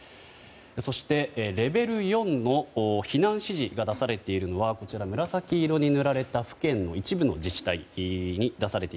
そしてレベル４の避難指示が出されているのは紫色に塗られた府県の一部の自治体です。